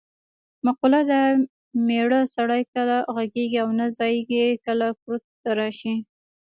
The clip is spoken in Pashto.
مقوله ده: مېړه سړی کله غېږ کې نه ځایېږې کله ګروت ته راشي.